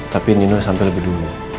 tapi nino sampai lebih dulu